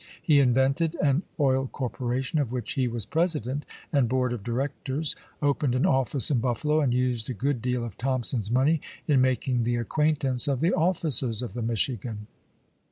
He invented an oil corporation of which he was president and board of directors, opened an office in Buffalo, and used a good deal of Thompson's money in making the acquaintance of the officers of the 3Iichigan.